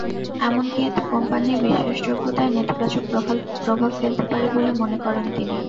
এমনকি এতে কোম্পানির বিশ্বাসযোগ্যতায়ও নেতিবাচক প্রভাব ফেলতে পারে বলে মনে করেন তিনি।